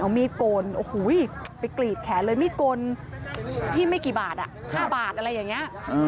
เอามีดโกนโอ้โหไปกรีดแขนเลยมีดโกนพี่ไม่กี่บาท๕บาทอะไรอย่างนี้